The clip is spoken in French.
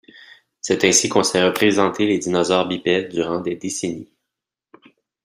C'est ainsi qu'on s'est représenté les dinosaures bipèdes durant des décennies.